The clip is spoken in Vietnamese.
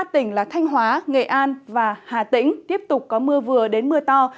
ba tỉnh là thanh hóa nghệ an và hà tĩnh tiếp tục có mưa vừa đến mưa to